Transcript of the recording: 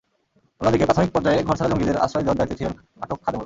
অন্যদিকে প্রাথমিক পর্যায়ে ঘরছাড়া জঙ্গিদের আশ্রয় দেওয়ার দায়িত্বে ছিলেন আটক খাদেমুল।